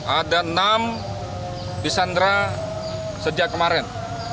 ada enam disandra sejak kemarin